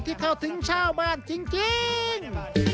เข้าถึงชาวบ้านจริง